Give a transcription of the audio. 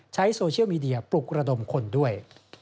ใช้โซเชียลมีเดียปลุกระดมคนด้วย